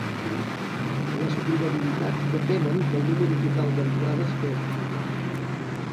Les probabilitats depenen del número total d'entrades que es juguen.